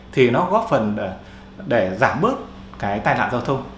thì nó góp phần để giảm bớt cái tai nạn giao thông